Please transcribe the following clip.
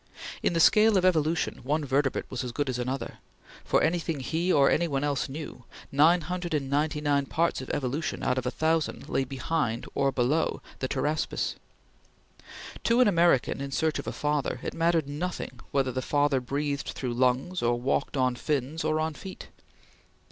In the scale of evolution, one vertebrate was as good as another. For anything he, or any one else, knew, nine hundred and ninety nine parts of evolution out of a thousand lay behind or below the Pteraspis. To an American in search of a father, it mattered nothing whether the father breathed through lungs, or walked on fins, or on feet.